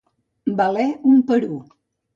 Valer un Perú.